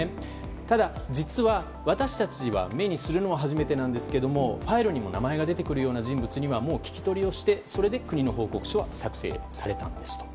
ただ、実は私たちが目にするのは初めてなんですけどファイルに名前が出てくる人物については聞き取りをして国の報告書は作成されたんですと。